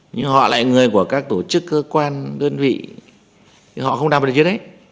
nhưng họ lại người của các tổ chức cơ quan đơn vị thì họ không đảm bảo điều gì đấy